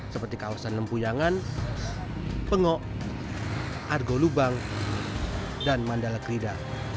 seperti kawasan lempuyangan pengok argo lubang dan mandala krida